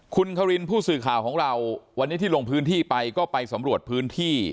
คุณครินผู้สื่อข่าวของเราวันนี้ที่ลงพื้นที่ไปก็ไปสำรวจพื้นที่